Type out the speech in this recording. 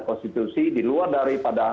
konstitusi di luar daripada